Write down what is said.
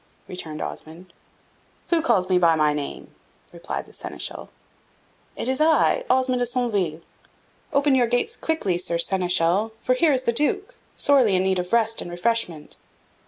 returned Osmond. "Who calls me by my name?" replied the Seneschal. "It is I, Osmond de Centeville. Open your gates quickly, Sir Seneschal; for here is the Duke, sorely in need of rest and refreshment."